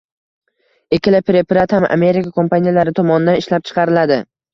Ikkala preparat ham Amerika kompaniyalari tomonidan ishlab chiqariladi